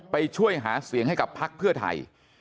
ไปช่วยหาเสียงให้กับพักเพื่อไทย